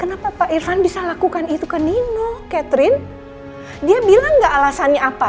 kenapa pak irfan bisa lakukan itu ke nino catherine dia bilang gak alasannya apa